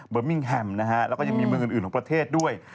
เบิร์มมิ้งแฮมและมีและเมืองอื่นของประเทศด้วย